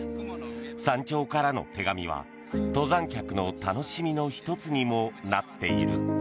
山頂からの手紙は登山客の楽しみの１つにもなっている。